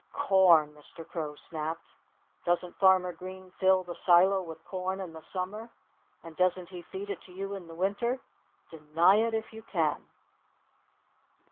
"Corn!" Mr. Crow snapped. "Doesn't Farmer Green fill the silo with corn in the summer? And doesn't he feed it to you in the winter? Deny it if you can!"